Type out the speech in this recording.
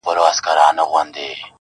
o چي ستا له سونډو نه خندا وړي څوك.